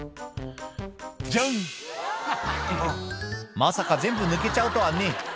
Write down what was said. まさか全部抜けちゃうとはね